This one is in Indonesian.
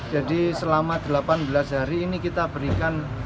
jadi selama delapan belas hari ini kita berikan